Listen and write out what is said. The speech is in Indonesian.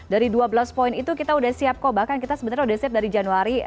dari dua belas poin itu kita sudah siap kok bahkan kita sebenarnya udah siap dari januari